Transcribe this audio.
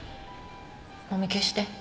もみ消して。